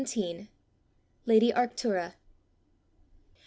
LADY ARCTURA.